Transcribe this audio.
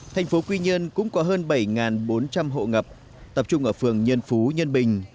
thành phố quy nhơn cũng có hơn bảy bốn trăm linh hộ ngập tập trung ở phường nhân phú nhân bình